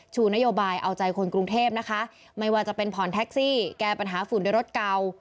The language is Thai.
ชูนโยบายเอาใจคนกรุงเทพนะคะไม่ว่าจะเป็นผ่อนแท็กซี่แก้ปัญหาฝุ่นในรถเก่า